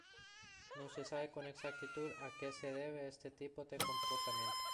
No se sabe con exactitud a que se debe este tipo de comportamiento.